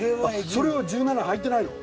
それは１７入ってないの？